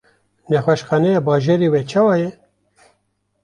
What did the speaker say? Nexweşxaneya bajarê we çawa ye?